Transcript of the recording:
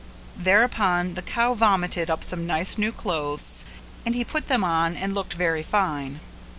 Thereupon the cow vomited up some nice new clothes and he put them on and looked very fine.